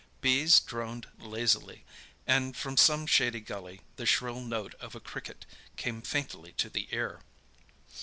Bees droned lazily, and from some shady gully the shrill note of a cricket came faintly to the ear.